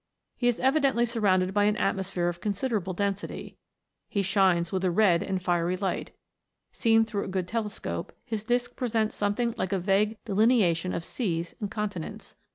He is evidently surrounded by an atmosphere of consider able density ; he shines with a red and fiery light ; seen through a good telescope, his disk presents something like a vague delineation of seas and con tinents.